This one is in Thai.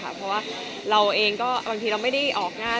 เพราะว่าเราเองก็บางทีเราไม่ได้ออกหน้า